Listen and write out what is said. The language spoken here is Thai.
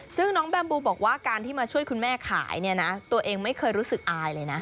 ซึ่งน้องแบมบูบอกว่าการที่มาช่วยคุณแม่ขายเนี่ยนะตัวเองไม่เคยรู้สึกอายเลยนะ